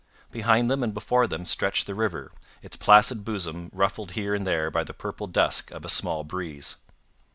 Behind them and before them stretched the river, its placid bosom ruffled here and there by the purple dusk of a small breeze.